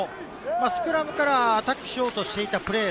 スクラムからアタックしようとしていたプレー。